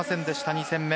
２戦目。